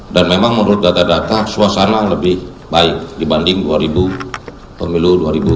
dan memang menurut data data suasana lebih baik dibanding pemilu dua ribu sembilan belas